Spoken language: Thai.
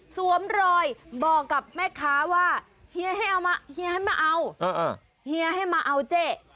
สวมรอยบอกกับแม่ค้าว่าเฮียให้มาเอาเฮียให้มาเอาเจ๊